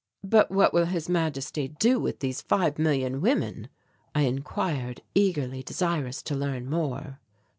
"But what will His Majesty do with these five million women?" I inquired, eagerly desirous to learn more.